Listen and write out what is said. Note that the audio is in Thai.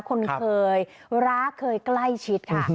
คนเคยรักเคยใกล้ชิดค่ะ